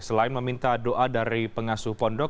selain meminta doa dari pengasuh pondok